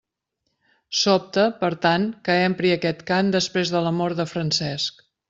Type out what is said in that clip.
Sobta, per tant, que empri aquest cant després de la mort de Francesc.